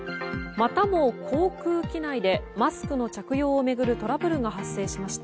またも航空機内でマスクの着用を巡るトラブルが発生しました。